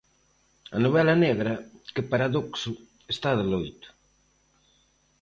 A novela negra, que paradoxo, está de loito.